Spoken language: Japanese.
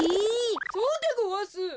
そうでごわす。